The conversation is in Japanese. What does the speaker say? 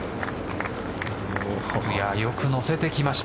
よく乗せてきました。